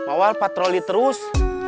awal patroli terus